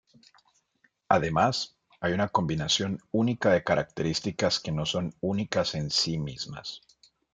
Además, hay una combinación única de características que no son únicas en sí mismas.